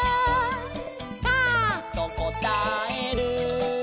「カァとこたえる」